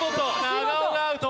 長尾がアウト。